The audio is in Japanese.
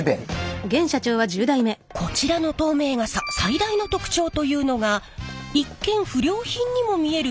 こちらの透明傘最大の特徴というのが一見不良品にも見える